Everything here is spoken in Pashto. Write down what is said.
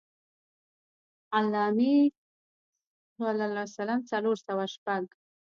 علّامي ص څلور سوه شپږ.